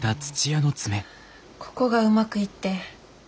ここがうまくいって。